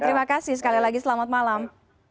terima kasih sekali lagi selamat malam